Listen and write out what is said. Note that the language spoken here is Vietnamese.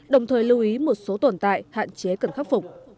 đồng thời lưu ý một số tồn tại hạn chế cần khắc phục